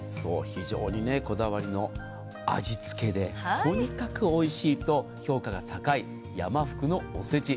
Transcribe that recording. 非常にこだわりの味付けでとにかくおいしいと評価が高い山福のおせち。